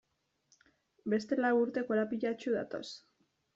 Beste lau urte korapilatsu datoz.